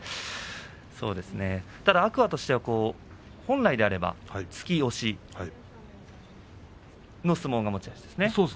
ただ天空海としては本来であれば突き押しが持ち味です。